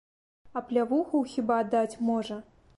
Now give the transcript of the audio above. Аплявуху хіба даць можа!